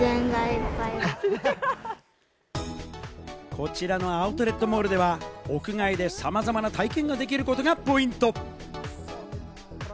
こちらのアウトレットモールでは屋外で様々な体験ができることがポイント。